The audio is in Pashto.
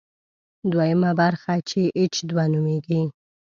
دویمه برخه چې اېچ دوه نومېږي.